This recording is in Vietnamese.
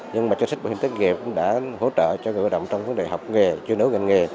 nhưng mà chất sách bảo hiểm thất nghiệp cũng đã hỗ trợ cho người lao động trong vấn đề học nghề chuyên đấu gần nghề